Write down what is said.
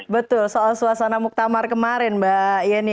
betul soal suasana muktamar kemarin mbak yeni